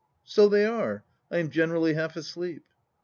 " So they are. I am generally half asleep.